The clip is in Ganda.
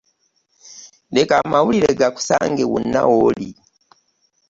Leka amawulire gakusange wonna wooli.